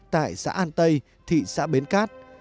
tại xã an tây thị xã bến cát